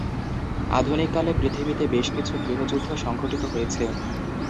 আধুনিককালে পৃথিবীতে বেশ কিছু গৃহযুদ্ধ সংঘটিত হয়েছে।